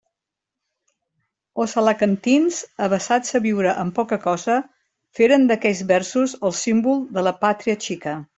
Els alacantins, avesats a viure amb poca cosa, feren d'aquells versos el símbol de la pàtria xica.